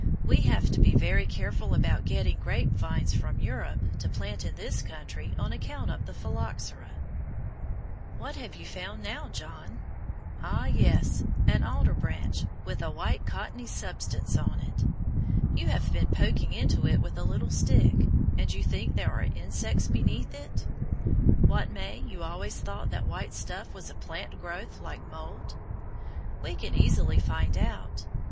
We have to be very careful about getting grape vines from Europe to plant in this country on account of the phylloxera. What have you found now, John? Ah, yes, an alder branch, with a white, cottony substance on it. You have been poking into it with a little stick, and you think there are insects beneath it. What, May, you always thought that white stuff was a plant growth, like mould? We can easily find out.